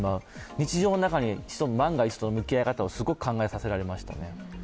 日常の中に潜む万が一との向き合い方をすごく考えさせられましたね。